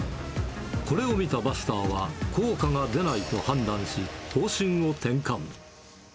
これを見たバスターは、効果が出ないと判断し、方針を転換。